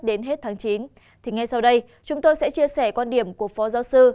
đến hết tháng chín thì ngay sau đây chúng tôi sẽ chia sẻ quan điểm của phó giáo sư